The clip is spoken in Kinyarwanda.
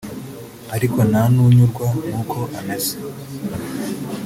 ariko nta n'unyurwa n'uko ameze